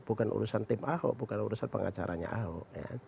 bukan urusan tim ahok bukan urusan pengacaranya ahok